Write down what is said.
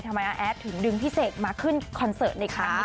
อาแอดถึงดึงพี่เสกมาขึ้นคอนเสิร์ตในครั้งนี้